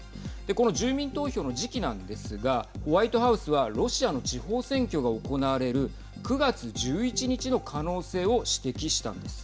この住民投票の時期なんですがホワイトハウスはロシアの地方選挙が行われる９月１１日の可能性を指摘したんです。